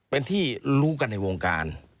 เป็นที่รู้กันในวงการ